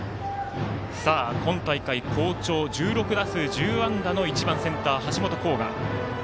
今大会好調、１６打数１０安打の１番センター、橋本航河。